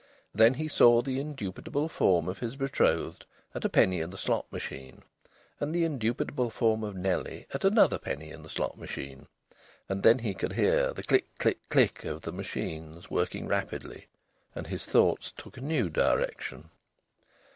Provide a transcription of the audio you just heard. Then he saw the indubitable form of his betrothed at a penny in the slot machine, and the indubitable form of Nellie at another penny in the slot machine. And then he could hear the click click click of the machines, working rapidly. And his thoughts took a new direction.